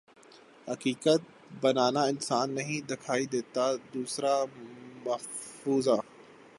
حقیقت بننا آسان نہیں دکھائی دیتا دوسرا مفروضہ